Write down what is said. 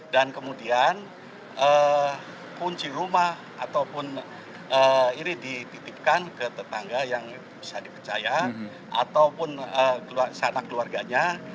kemudian kunci rumah ataupun ini dititipkan ke tetangga yang bisa dipercaya ataupun sanak keluarganya